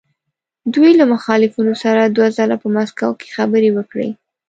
دوی له مخالفینو سره دوه ځله په مسکو کې خبرې وکړې.